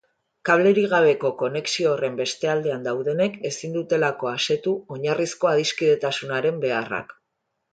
Kablerik gabeko konexio horren beste aldean daudenek ezin dutelako asetu oinarrizko adiskidetasunaren beharrak.